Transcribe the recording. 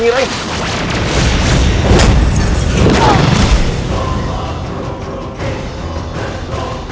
di rumah tempat ini nampak felih